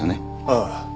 ああ。